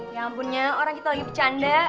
ya ampun ya orang kita lagi bercanda